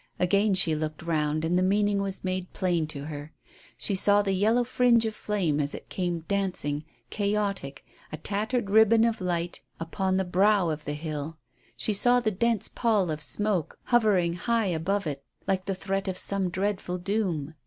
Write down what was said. Again she looked round, and the meaning was made plain to her. She saw the yellow fringe of flame as it came dancing, chaotic, a tattered ribbon of light upon the brow of the hill; she saw the dense pall of smoke hovering high above it like the threat of some dreadful doom.